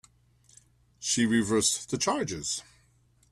She reversed the charges.